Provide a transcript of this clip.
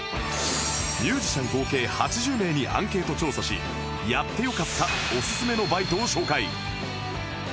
ミュージシャン合計８０名にアンケート調査しやってよかったおすすめのバイトを紹介